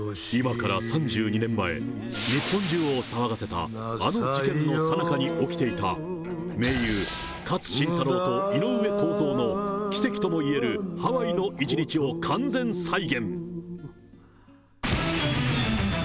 今から３２年前、日本中を騒がせたあの事件のさなかに起きていた、名優、勝新太郎と井上公造の奇跡ともいえるハワイの一日を完全再現。